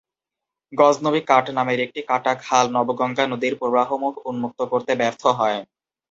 গজনবী কাট নামের একটি কাটা খাল নবগঙ্গা নদীর প্রবাহমুখ উন্মুক্ত করতে ব্যর্থ হয়।